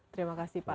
terima kasih pak